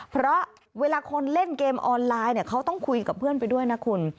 เพราะเวลาคนเล่นเกมออนไลน์เนี่ยเขาต้องคุยกับเพื่อนไปด้วยนะคุณ